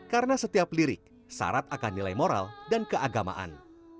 karena setiap lirik syarat akan nilai moral dan keagamaan